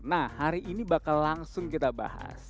nah hari ini bakal langsung kita bahas